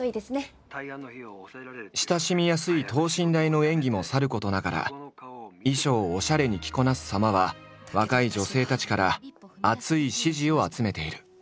親しみやすい等身大の演技もさることながら衣装をオシャレに着こなすさまは若い女性たちから熱い支持を集めている。